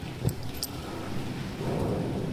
Hijos: Diego Rosado Espino y Patricio Rosado Espino